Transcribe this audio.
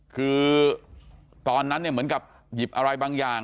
คือตอนนั้นเนี่ยเหมือนกับหยิบอะไรบางอย่าง